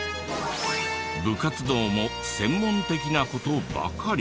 部活動も専門的な事ばかり。